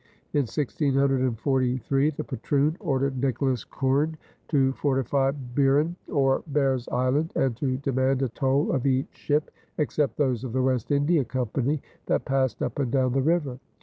In 1643 the patroon ordered Nicholas Coorn to fortify Beeren or Bears Island, and to demand a toll of each ship, except those of the West India Company, that passed up and down the river.